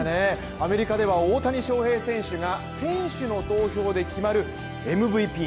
アメリカでは大谷翔平選手が選手の投票で決まるＭＶＰ。